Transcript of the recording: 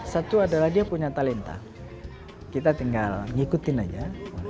satu adalah dia punya talenta kita tinggal ngikutin aja